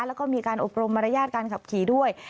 แล้วก็มีการอบรมมารยาทการขับขี่ด้วย